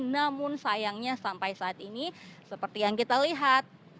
namun sayangnya sampai saat ini seperti yang kita lihat